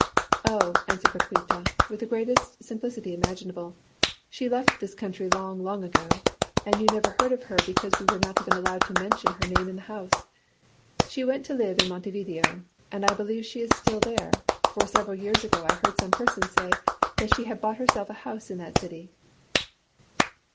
"Oh," answered Paquíta, with the greatest simplicity imaginable, "she left this country long, long ago, and you never heard of her because we were not even allowed to mention her name in the house. She went to live in Montevideo, and I believe she is there still, for several years ago I heard some person say that she had bought herself a house in that city."